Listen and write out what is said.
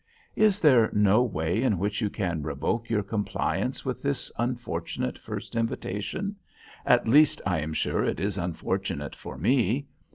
"Is there no way in which you can revoke your compliance with this unfortunate first invitation—at least, I am sure, it is unfortunate for me.